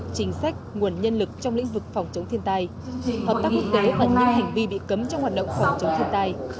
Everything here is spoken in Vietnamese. chính sách nguồn nhân lực trong lĩnh vực phòng chống thiên tai hợp tác quốc tế và những hành vi bị cấm trong hoạt động phòng chống thiên tai